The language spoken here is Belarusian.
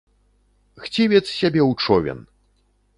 Хцівец сябе ў човен!